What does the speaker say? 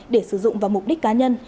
để sử dụng vào mục đích cá nhân